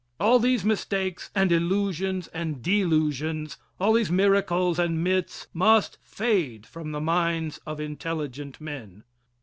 All these mistakes and illusions and delusions all these miracles and myths must fade from the minds of intelligent men.